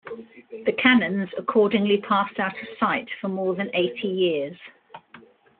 The canons accordingly passed out of sight for more than eighty years.